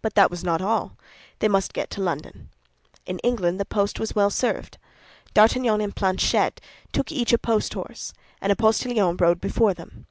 But that was not all; they must get to London. In England the post was well served. D'Artagnan and Planchet took each a post horse, and a postillion rode before them.